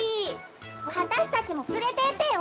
わたしたちもつれてってよ。